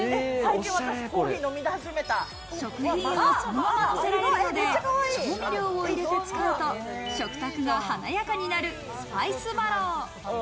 食品をそのままのせられるので、調味料を入れて使うと、食卓が華やかになるスパイスバロウ。